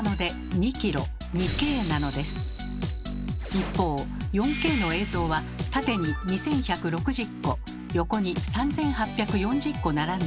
一方４Ｋの映像は縦に２，１６０個横に３，８４０個並んでいます。